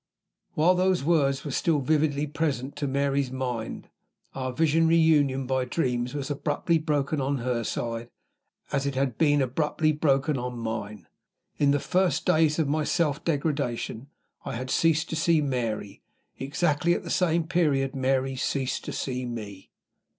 While those words were still vividly present to Mary's mind, our visionary union by dreams was abruptly broken on her side, as it had been abruptly broken on mine. In the first days of my self degradation, I had ceased to see Mary. Exactly at the same period Mary ceased to see me.